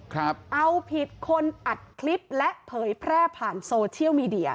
เอาผิดคนอัดคลิปและเผยแพร่ผ่านโซเชียลมีเดีย